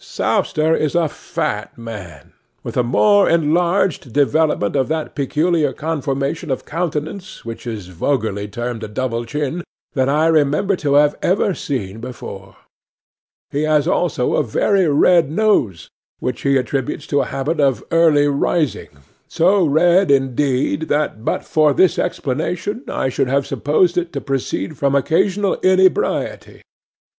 'Sowster is a fat man, with a more enlarged development of that peculiar conformation of countenance which is vulgarly termed a double chin than I remember to have ever seen before. He has also a very red nose, which he attributes to a habit of early rising—so red, indeed, that but for this explanation I should have supposed it to proceed from occasional inebriety.